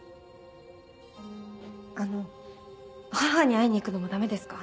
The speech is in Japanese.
あの母に会いに行くのもダメですか？